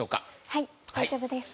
はい大丈夫です。